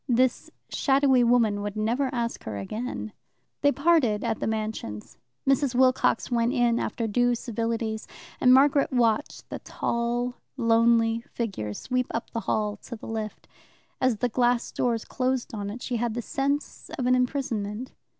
This shadowy woman would never ask her again. They parted at the Mansions. Mrs. Wilcox went in after due civilities, and Margaret watched the tall, lonely figure sweep up the hall to the lift. As the glass doors closed on it she had the sense of an imprisonment.